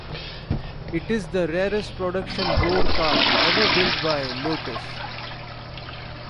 It is the rarest production road car ever built by Lotus.